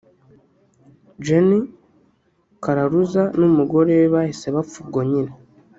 Gen Kararuza n’umugore we bahise bapfa ubwo nyine